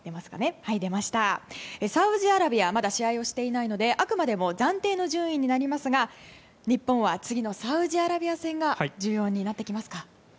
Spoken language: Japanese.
サウジアラビアはまだ試合をしてないのであくまでも暫定の順位になりますが日本は次のサウジアラビア戦が重要になってきますか？